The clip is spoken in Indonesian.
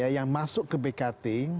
yang masuk ke bkt